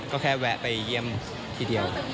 ก็แค่แวะไปเยี่ยมทีเดียว